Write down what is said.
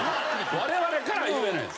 我々からは言えないです。